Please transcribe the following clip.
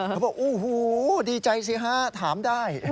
เขาบอกโอ้โหดีใจสิฮะถามได้